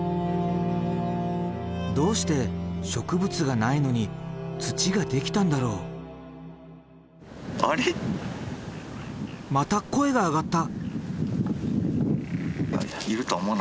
どうして植物がないのに土ができたんだろう？また声が上がった。